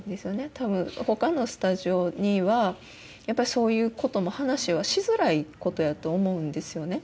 たぶん他のスタジオにはやっぱりそういうことも話はしづらいことやと思うんですよね